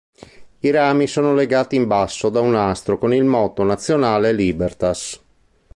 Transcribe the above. I rami sono legati in basso da un nastro con il motto nazionale “Libertas”.